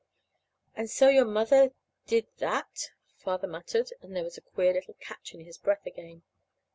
"And so your mother did that," Father muttered; and there was the queer little catch in his breath again.